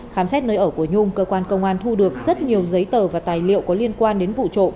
khám xét nơi ở của nhung cơ quan công an thu được rất nhiều giấy tờ và tài liệu có liên quan đến vụ trộm